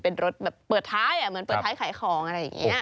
เป็นรถแบบเปิดท้ายเหมือนเปิดท้ายขายของอะไรอย่างนี้